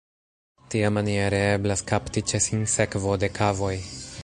Tiamaniere eblas kapti ĉe sinsekvo de kavoj.